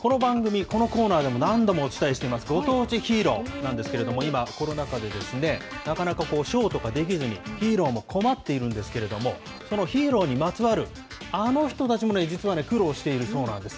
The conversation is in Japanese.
この番組、このコーナーでも何度もお伝えしています、ご当地ヒーローなんですけれども、今、コロナ禍で、なかなかこう、ショーとかできずに、ヒーローも困っているんですけれども、このヒーローにまつわるあの人たちも実は苦労しているそうなんです。